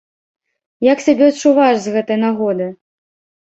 Як сябе адчуваеш з гэтай нагоды?